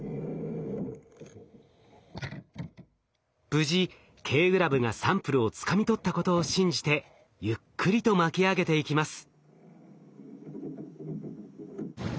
無事Ｋグラブがサンプルをつかみ取ったことを信じてゆっくりと巻き上げていきます。